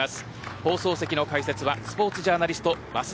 放送席の解説はスポーツジャーナリスト